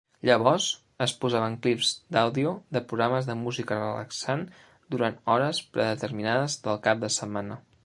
Llavors, es posaven clips d'àudio de programes de música relaxant durant hores predeterminades del cap de setmana.